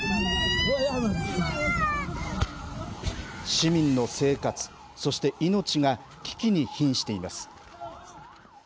市民の生活、そして命が危機にひんしています。